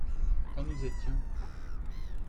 Quand nous étions.